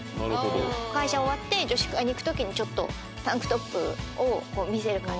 会社終わって女子会に行く時にちょっとタンクトップを見せる感じ